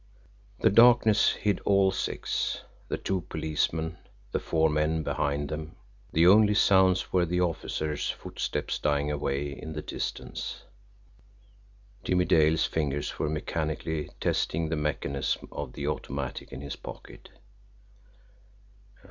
The darkness hid all six, the two policemen, the four men behind them the only sounds were the OFFICERS' footsteps dying away in the distance. Jimmie Dale's fingers were mechanically testing the mechanism of the automatic in his pocket.